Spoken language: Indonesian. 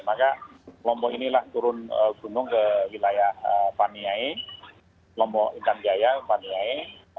maka lombok inilah turun gunung ke wilayah paniai lombok intan jaya paniai